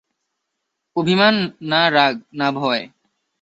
অভিমান, না রাগ, না ভয়?